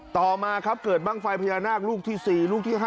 ต่อมาครับเกิดบ้างไฟพญานาคลูกที่๔ลูกที่๕